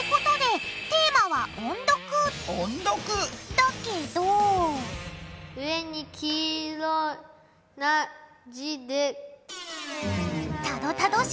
だけど上に黄いろな字で。